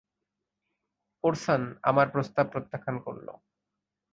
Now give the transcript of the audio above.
Orson আমার প্রস্তাব প্রত্যাখ্যান করল।